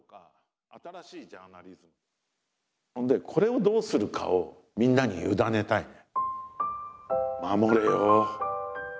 ほんでこれをどうするかをみんなに委ねたいね。